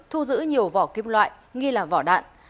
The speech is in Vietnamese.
thu giữ nhiều vỏ kim loại nghi là vỏ đạn